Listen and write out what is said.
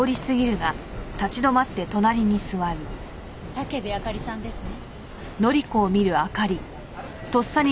武部あかりさんですね？